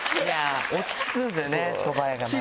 落ち着くんですよねそば屋が。